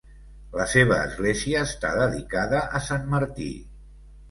La seva església està dedicada a Sant Martí.